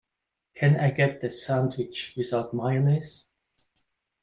Can I get the sandwich without mayonnaise?